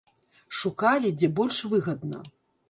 Шукалі, дзе больш выгадна.